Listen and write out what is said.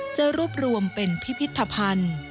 จะรวบรวมเป็นพิพิธภัณฑ์